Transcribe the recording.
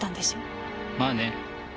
まあね。